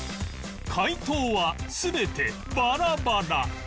解答は全てバラバラ